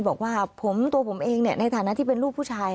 บอกว่าตัวผมเองในฐานะที่เป็นลูกผู้ชาย